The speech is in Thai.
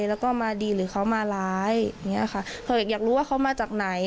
แล้วก็มาดีหรือเขามาร้ายอย่างเงี้ยค่ะคืออยากรู้ว่าเขามาจากไหน